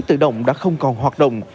tự động đã không còn hoạt động